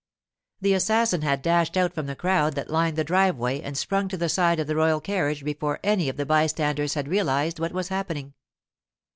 The assassin had dashed out from the crowd that lined the driveway and sprung to the side of the royal carriage before any of the bystanders had realized what was happening.